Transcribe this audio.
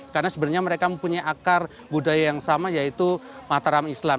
karena sebenarnya mereka mempunyai akar budaya yang sama yaitu mataram islam